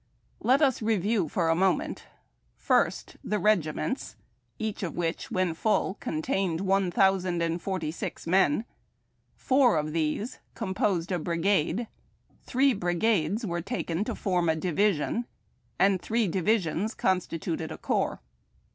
Let us review for a moment : first, the regiments., each of which, when full, contained one thousand and forty six men ; four of these composed a brigade ; three brigades were taken to form a division, and three divis ions constituted a corps.